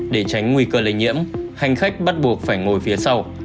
để tránh nguy cơ lây nhiễm hành khách bắt buộc phải ngồi phía sau